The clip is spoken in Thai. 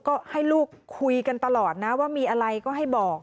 ก็ให้ลูกคุยกันตลอดนะว่ามีอะไรก็ให้บอก